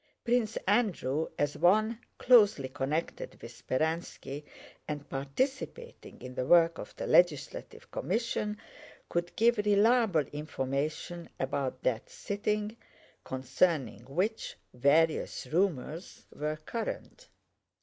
Prince Andrew, as one closely connected with Speránski and participating in the work of the legislative commission, could give reliable information about that sitting, concerning which various rumors were current.